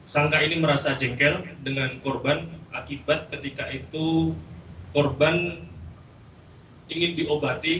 sangka ini merasa jengkel dengan korban akibat ketika itu korban ingin diobati